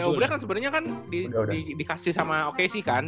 kali ulbrich kan sebenernya dikasi oleh okay si kan